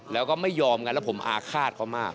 แล้วก็ไม่ยอมกันแล้วผมอาฆาตเขามาก